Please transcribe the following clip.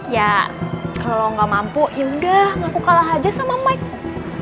ya kalau nggak mampu yaudah aku kalah aja sama mike